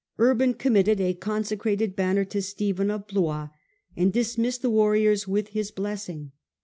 Urban committed a consecrated banner to Stephen of Blois, and dismissed the warriors with his blessing.